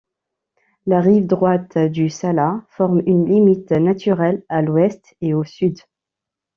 La rive droite du Salat forme une limite naturelle à l'ouest et au sud.